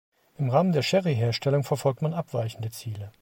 Im Rahmen der Sherry-Herstellung verfolgt man abweichende Ziele.